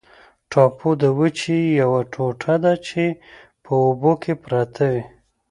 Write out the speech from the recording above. ټاپو د وچې یوه ټوټه ده چې په اوبو کې پرته وي.